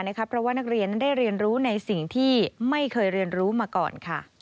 เพราะว่านักเรียนได้เรียนรู้ในสิ่งที่ไม่เคยเรียนรู้มาก่อน